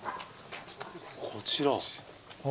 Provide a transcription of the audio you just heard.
・こちら？